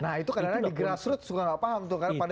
nah itu karena di grassroot suka gak paham tuh